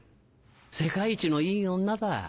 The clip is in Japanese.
世界一のいい女だ。